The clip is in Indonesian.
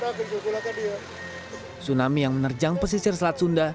tsunami yang menerjang pesisir selat sunda